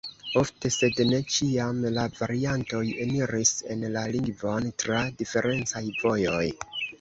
Ofte, sed ne ĉiam, la variantoj eniris en la lingvon tra diferencaj vojoj.